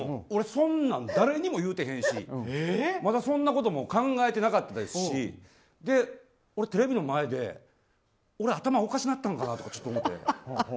俺、そんなん誰にも言うてへんしそんなことも考えてなかったですしテレビの前で、俺の頭おかしなったんかなと思って。